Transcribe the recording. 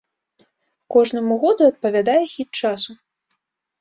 Кожнаму году адпавядае хіт часу.